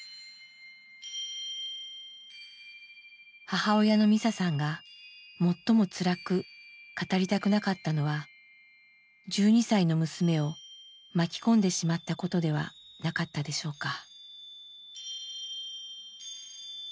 母親のミサさんが最もつらく語りたくなかったのは１２歳の娘を巻き込んでしまったことではなかったでしょうか。